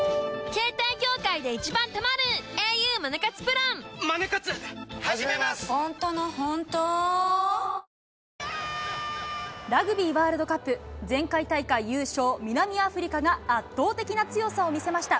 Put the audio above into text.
リブネスタウンへラグビーワールドカップ、前回大会優勝、南アフリカが圧倒的な強さを見せました。